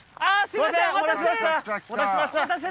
すいません